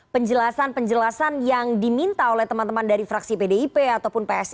penjelasan penjelasan yang diminta oleh teman teman dari fraksi pdip ataupun psi